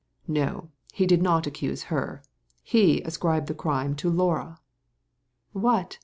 "No, he did not accuse her. He ascribed the crime to Laura." "What!